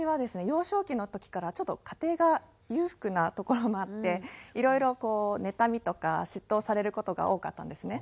幼少期の時からちょっと家庭が裕福なところもあっていろいろこう妬みとか嫉妬をされる事が多かったんですね。